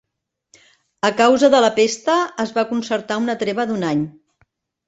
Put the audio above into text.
A causa de la pesta es va concertar una treva d'un any.